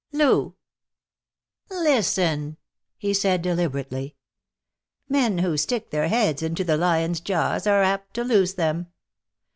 "Lou!" "Listen," he said deliberately. "Men who stick their heads into the lion's jaws are apt to lose them.